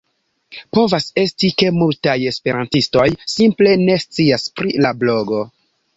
Povas esti, ke multaj esperantistoj simple ne scias pri la blogo.